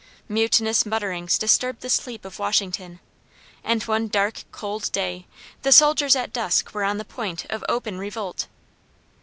Mutinous mutterings disturbed the sleep of Washington, and one dark, cold day, the soldiers at dusk were on the point of open revolt.